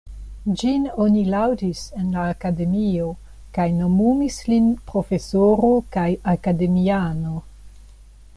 Ĝin oni laŭdis en la Akademio kaj nomumis lin profesoro kaj akademiano.